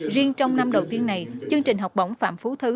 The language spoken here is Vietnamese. riêng trong năm đầu tiên này chương trình học bổng phạm phú thứ